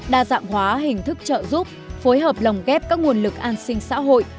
đa dạng hóa hình thức trợ giúp phối hợp lồng ghép các nguồn lực an sinh xã hội